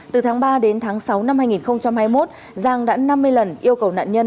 từ tháng ba đến tháng sáu năm hai nghìn hai mươi một giang đã năm mươi lần yêu cầu nạn nhân